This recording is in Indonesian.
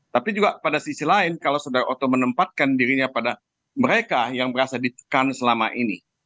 tapi juga pada sisi lain kalau saudara oto menempatkan dirinya pada mereka yang merasa ditekan selama ini